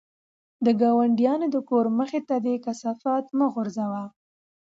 د ګاونډیانو د کور مخې ته د کثافاتو مه غورځوئ.